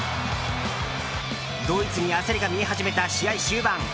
ドイツに焦りが見え始めた試合終盤。